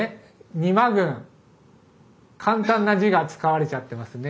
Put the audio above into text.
「仁万郡」簡単な字が使われちゃってますね。